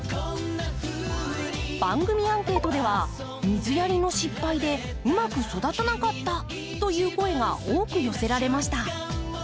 番組アンケートでは水やりの失敗でうまく育たなかったという声が多く寄せられました。